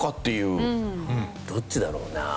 どっちだろうな。